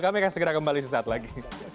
kami akan segera kembali sesaat lagi